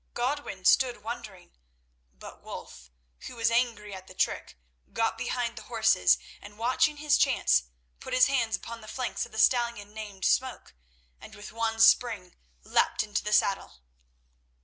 Godwin stood wondering, but Wulf, who was angry at the trick, got behind the horses, and watching his chance, put his hands upon the flanks of the stallion named Smoke, and with one spring leapt into the saddle.